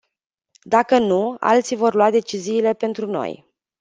Dacă nu, alții vor lua deciziile pentru noi.